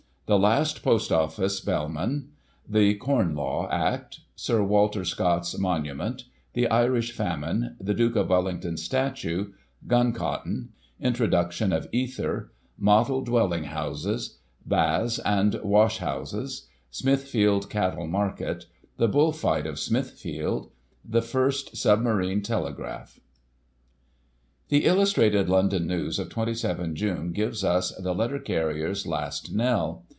The last Post Office Bellman— The " Com Law " Act— Sir Walter Scott's monument — ^The Irish famine — ^The Duke of Wellington's statue — Gun cotton — Introduction of ether — Model dwelling houses — Baths and Wash houses— Smithfield Cattle market— " The Bull Fight of Smithfield "— The first submarine telegraph. The Illustrated London News, of 27 June, gives us "The Letter Carrier's Last Knell.